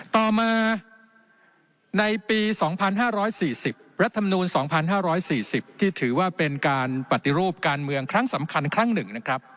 ต่อมาในปี๒๕๔๐รัฐมนูล๒๕๔๐ที่ถือว่าเป็นการปฏิรูปการเมืองครั้งสำคัญครั้งหนึ่งนะครับ